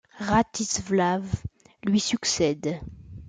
Ratislav lui succède.